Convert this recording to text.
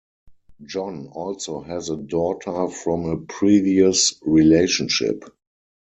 John also has a daughter from a previous relationship.